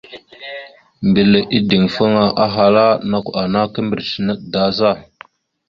Mbile anga ideŋfaŋa, ahala: « Nakw ana kimbrec naɗ da za? ».